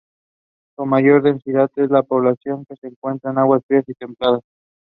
Around that time he also competed on the European meet circuit.